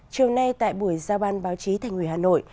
chiều nay tại buổi giao ban báo chí thành ủy hà nội